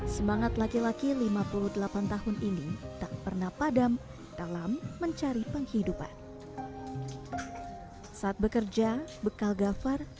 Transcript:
semangat laki laki lima puluh delapan tahun ini tak pernah padam dalam mencari penghidupan saat bekerja bekal gafar